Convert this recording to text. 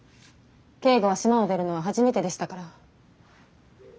京吾は島を出るのは初めてでしたから。